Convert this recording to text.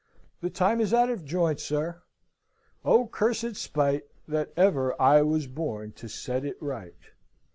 The time is out of joint, sir. O cursed spite, that ever I was born to set it right!"